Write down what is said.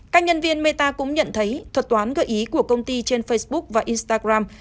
các nhân viên meta cũng nhận thấy thuật toán gợi ý của công ty trên facebook và instagram